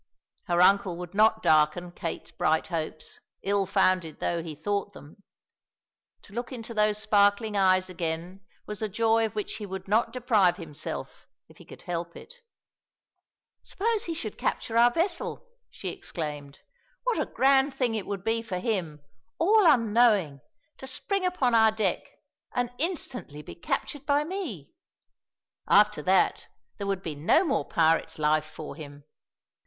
Her uncle would not darken Kate's bright hopes, ill founded though he thought them. To look into those sparkling eyes again was a joy of which he would not deprive himself, if he could help it. "Suppose he should capture our vessel," she exclaimed; "what a grand thing it would be for him, all unknowing, to spring upon our deck and instantly be captured by me. After that, there would be no more pirate's life for him!"